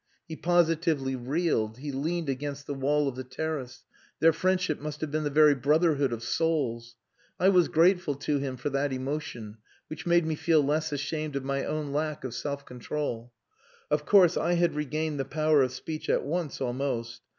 He positively reeled. He leaned against the wall of the terrace. Their friendship must have been the very brotherhood of souls! I was grateful to him for that emotion, which made me feel less ashamed of my own lack of self control. Of course I had regained the power of speech at once, almost.